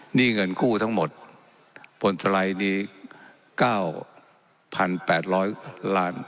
หนี้เงินกู้ทั้งหมดบนสลัยนี้เก้าพันแปดร้อยล้าน